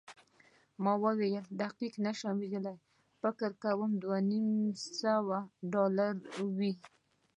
ما وویل، دقیق نه شم ویلای، فکر کوم دوه نیم سوه ډالره وي.